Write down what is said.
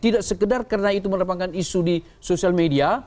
tidak sekedar karena itu merupakan isu di sosial media